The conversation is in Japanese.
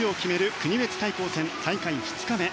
国別対抗戦大会２日目。